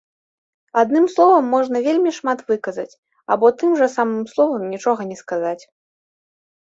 Адным словам можна вельмі шмат выказаць, або тым жа самым словам нічога не сказаць.